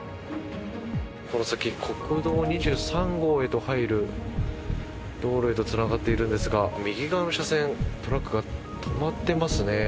この先国道２３号へと入る道路へとつながっているんですが右側の車線トラックが止まっていますね。